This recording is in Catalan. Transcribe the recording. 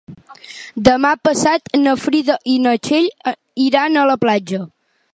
Demà passat na Frida i na Txell iran a la platja.